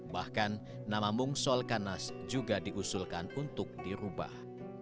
bahkan nama mungsolkanas juga diusulkan untuk dirubah